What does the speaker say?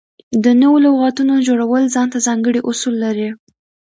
د نوو لغاتونو جوړول ځان ته ځانګړي اصول لري.